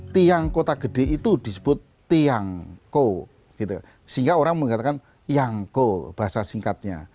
tiang kota gede itu disebut tiangko sehingga orang mengatakan yangko bahasa singkatnya